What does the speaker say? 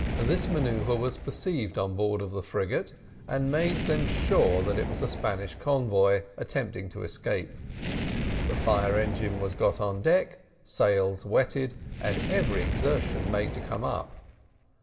This manoeuvre was perceived on board of the frigate, and made them sure that it was a Spanish convoy attempting to escape. The fire engine was got on deck, sails wetted, and every exertion made to come up.